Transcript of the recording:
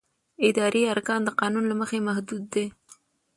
اداري ارګان د قانون له مخې محدود دی.